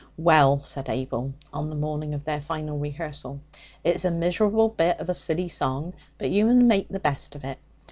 'Well,' said Abel on the morning of their final rehearsal, 'it's a miserable bit of a silly song, but you mun make the best of it.